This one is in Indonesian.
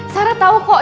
sarah tau kok